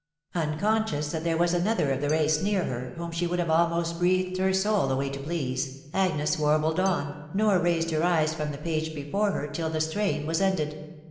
Unconscious that there was another of the race near her, whom she would have almost breathed her soul away to please, Agnes warbled on, nor raised her eyes from the page before her till the strain was ended.